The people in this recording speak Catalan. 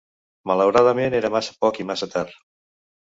Malauradament era massa poc i massa tard.